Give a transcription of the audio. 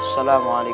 selama dua bulan